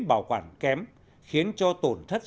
bảo quản kém khiến cho tổn thất